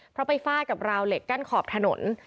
เพราะไปฟาดกับราวเหล็กกั้นขอบถนน